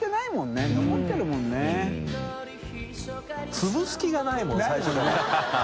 つぶす気がないもん最初から。